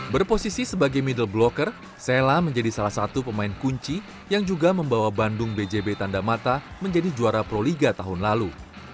berposisi sebagai middle blocker sella menjadi salah satu pemain kunci yang juga membawa bandung bjb tanda mata menjadi juara proliga tahun lalu